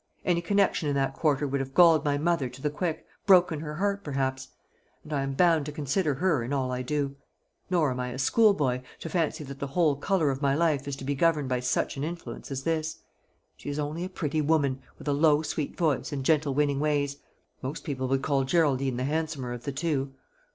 Any connection in that quarter would have galled my mother to the quick broken her heart perhaps; and I am bound to consider her in all I do. Nor am I a schoolboy, to fancy that the whole colour of my life is to be governed by such an influence as this. She is only a pretty woman, with a low sweet voice, and gentle winning ways. Most people would call Geraldine the handsomer of the two.